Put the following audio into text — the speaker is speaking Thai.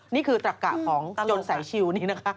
นี่คือตรักกะของยนต์สายชิลนี่นะคะ